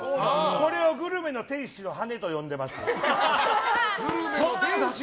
これをグルメの天使の羽と呼んでいます。